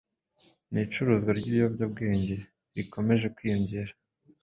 n’icuruzwa ry’ibiyobya bwenge rikomeje kwiyongera